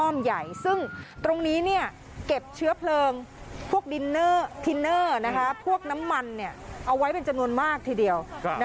ซึ่งตรงนี้เก็บเชื้อเพลิงพวกดินเนอร์พวกน้ำมันเอาไว้เป็นจำนวนมากทีเดียว